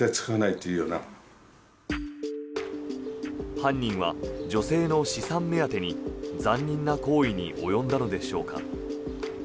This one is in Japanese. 犯人は女性の資産目当てに残忍な行為に及んだのでしょうか。